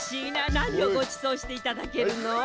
なにをごちそうしていただけるの？